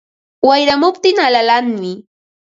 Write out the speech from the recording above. Wayramuptin alalanmi